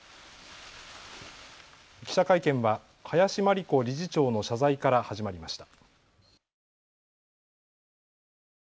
記者会見は林真理子理事長の謝罪から始まりました。